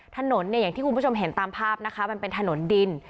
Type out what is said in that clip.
ถนนคุณผู้ชมเห็นตามภาพเป็นถนนดิน